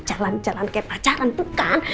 jalan jalan kayak pacaran bukan